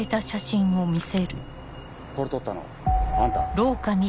これ撮ったのあんた？